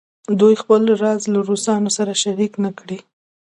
دوی خپل راز له روسانو سره شریک نه کړي.